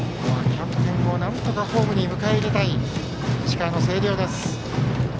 キャプテンをなんとかホームに迎え入れたい石川の星稜です。